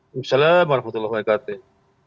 wassalamu'alaikum warahmatullahi wabarakatuh